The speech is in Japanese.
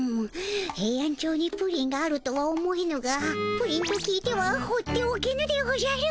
ヘイアンチョウにプリンがあるとは思えぬがプリンと聞いてはほうっておけぬでおじゃる。